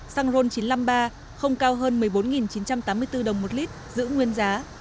xăng ron chín trăm năm mươi ba không cao hơn một mươi bốn chín trăm tám mươi bốn đồng một lít giữ nguyên giá